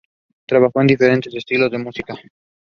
He retired that same year.